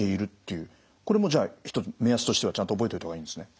これもじゃあ目安としてはちゃんと覚えておいた方がいいんですね。